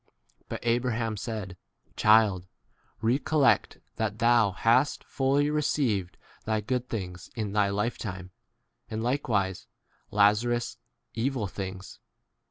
But Abraham said, Child, recollect that thou hast fully received u thy good things in thy lifetime, and like wise Lazarus evil things.